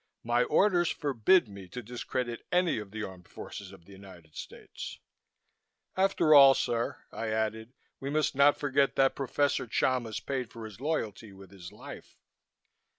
"My orders forbid me to discredit any of the armed forces of the United States. After all, sir!" I added, "we must not forget that Professor Chalmis paid for his loyalty with his life."